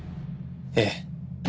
ええ。